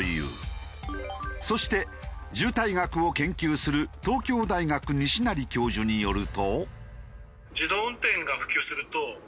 そして渋滞学を研究する東京大学西成教授によると。